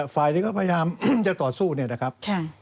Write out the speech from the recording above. ฝ่ายนี้ก็พยายามจะต่อสู้เนี่ยนะครับ